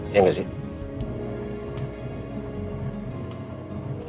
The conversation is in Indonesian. iya gak sih